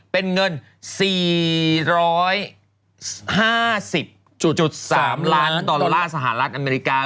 เป็นเงิน๔๕๐๓ล้านดอลลาร์สหรัฐอเมริกา